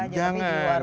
tapi di luar bali